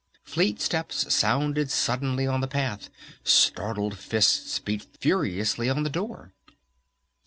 Fleet steps sounded suddenly on the path! Startled fists beat furiously on the door!